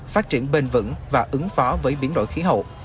phát triển bền vững và ứng phó với biến đổi khí hậu